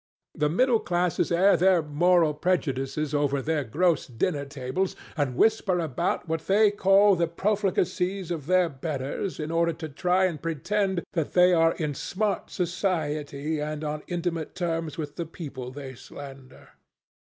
The middle classes air their moral prejudices over their gross dinner tables, and whisper about what they call the profligacies of their betters in order to try and pretend that they are in smart society and on intimate terms with the people they slander.